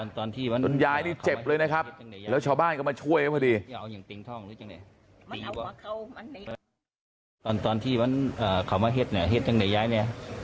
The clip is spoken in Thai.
ตอนยายนี่เจ็บเลยนะครับแล้วชาวบ้านก็มาช่วยเขาพอดี